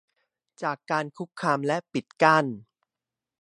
จากการคุกคามและปิดกั้น